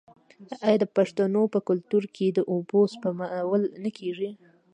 آیا د پښتنو په کلتور کې د اوبو سپمول نه کیږي؟